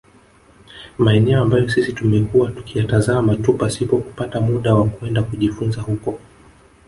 Maeneo ambayo sisi tumekuwa tukiyatazama tu pasipo kupata muda wa kwenda kujifunza huko